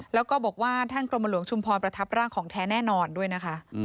แล้วก็บอกว่าท่านกรมหลวงชุมพรประทับร่างของแท้แน่นอนด้วยนะคะ